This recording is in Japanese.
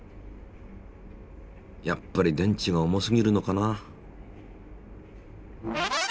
やっぱり電池が重すぎるのかな。